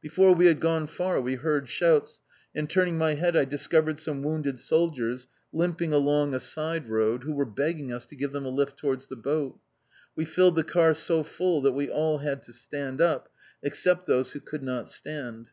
Before we had gone far, we heard shouts, and turning my head I discovered some wounded soldiers, limping along a side road, who were begging us to give them a lift towards the boat. We filled the car so full that we all had to stand up, except those who could not stand.